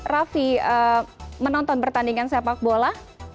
raffi menonton pertandingan sepak bola